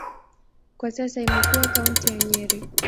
Kwa sasa imekuwa kaunti ya Nyeri.